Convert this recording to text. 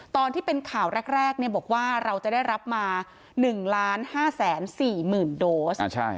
ตอนที่เป็นข่าวแรกบอกว่าเราจะได้รับมา๑๕๔๐๐๐โดส